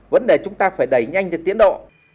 vấn đề chúng ta phải đẩy nhanh cái tiến độ